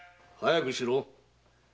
早くしろ。